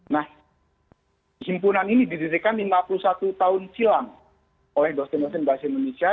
nah himpunan ini didirikan lima puluh satu tahun silam oleh dosen dosen bahasa indonesia